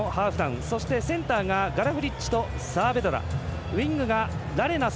そしてセンターがガラフリッチとサアベドラウイング。